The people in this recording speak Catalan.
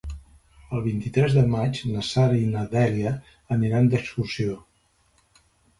El vint-i-tres de maig na Sara i na Dèlia aniran d'excursió.